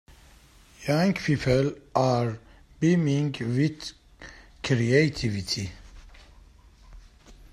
Young people are beaming with creativity.